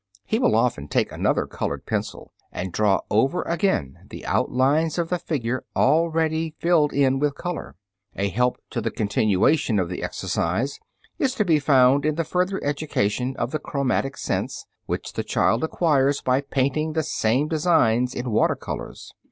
He will often take another colored pencil and draw over again the outlines of the figure already filled in with color. A help to the continuation of the exercise is to be found in the further education of the chromatic sense, which the child acquires by painting the same designs in water colors.